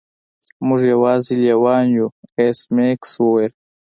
موږ یوازې لیوان یو ایس میکس وویل